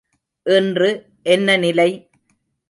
இன்று என்ன நிலை?